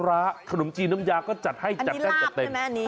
อันนี้ราบใช่ไหมอันนี้